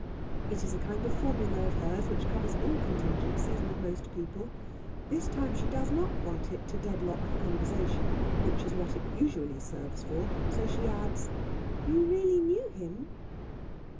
It is a kind of formula of hers which covers all contingencies with most people. This time she does not want it to deadlock the conversation, which is what it usually serves for, so she adds: "You really knew him?"